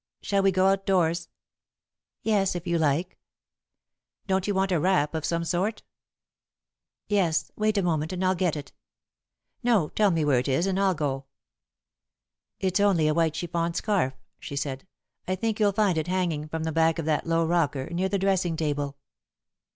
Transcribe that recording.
"Shall we go outdoors?" "Yes, if you like." "Don't you want a wrap of some sort?" "Yes. Wait a moment, and I'll get it." "No tell me where it is, and I'll go." "It's only a white chiffon scarf," she said. "I think you'll find it hanging from the back of that low rocker, near the dressing table."